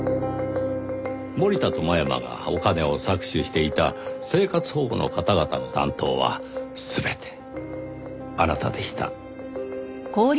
森田と真山がお金を搾取していた生活保護の方々の担当は全てあなたでした。